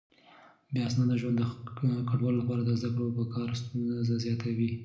بې اسناده ژوند د کډوالو لپاره د زده کړو او کار ستونزې زياتوي.